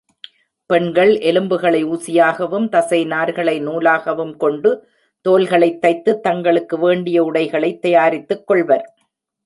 பெண்கள் எலும்புகளை ஊசியாகவும், தசை நார்களை நூலாகவும் கொண்டு தோல்களைத் தைத்துத் தங்களுக்கு வேண்டிய உடைகளைத் தயாரித்துக் கொள்வர்.